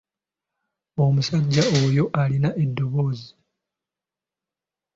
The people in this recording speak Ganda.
Omusajja oyo alina eddoboozi.